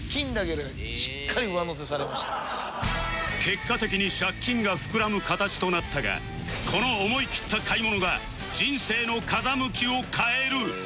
結果的に借金が膨らむ形となったがこの思いきった買い物が人生の風向きを変える